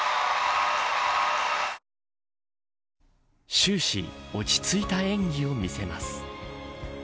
終始落ち着いた演技を見せます。